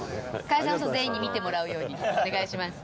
会社の人全員に見てもらうようにお願いします。